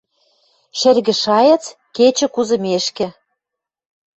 Шӹргӹ шайыц кечӹ кузымешкӹ